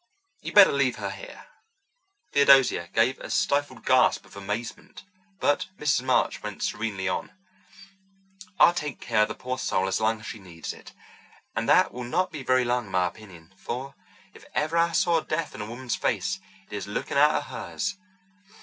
You'd better leave her here." Theodosia gave a stifled gasp of amazement, but Mrs. March went serenely on. "I'll take care of the poor soul as long as she needs it—and that will not be very long in my opinion, for if ever I saw death in a woman's face, it is looking out of hers.